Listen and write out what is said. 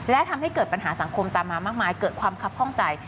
และทำให้เกิดปัญหาสังคมตามมามากมายเกิดความคับข้องใจ